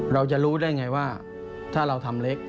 เราจะรู้ได้ไงว่าถ้าเราทำเล็ก